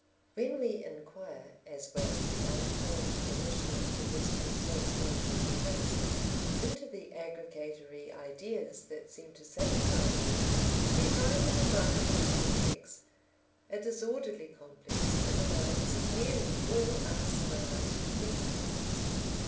When we inquire, as well as the unformed condition of terrestrial sociology permits, into the aggregatory ideas that seem to satisfy men, we find a remarkable complex, a disorderly complex, in the minds of nearly all our civilised contemporaries.